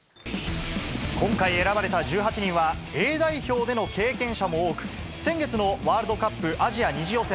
今回選ばれた１８人は、Ａ代表での経験者も多く、先月のワールドカップアジア２次予選